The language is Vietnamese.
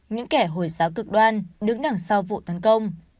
những kẻ hồi giáo cực đoan đứng đằng sau vụ tấn công